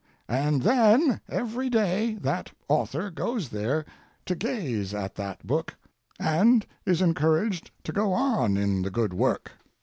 ] And then every day that author goes there to gaze at that book, and is encouraged to go on in the good work.